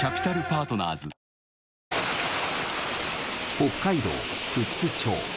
北海道寿都町。